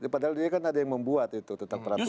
padahal dia kan ada yang membuat itu tentang peraturan